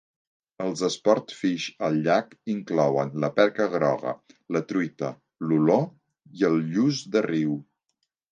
Els sportfish al llac inclouen la perca groga, la truita, l'olor i el lluç de riu.